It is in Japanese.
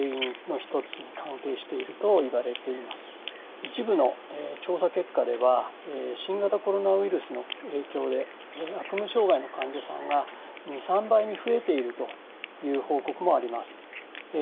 一部の調査結果では新型コロナウイルスの影響で悪夢障害の患者さんが２３倍に増えているという報告もあります。